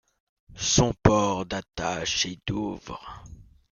Son port d'attache est Douvres.